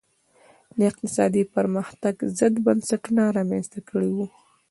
د اقتصادي پرمختګ ضد بنسټونه رامنځته کړي وو.